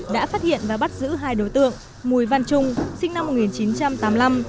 đã phát hiện và bắt giữ hai đối tượng mùi văn trung sinh năm một nghìn chín trăm tám mươi năm